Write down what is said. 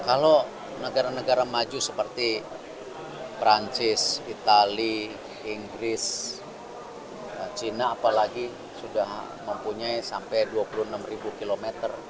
kalau negara negara maju seperti perancis itali inggris cina apalagi sudah mempunyai sampai dua puluh enam km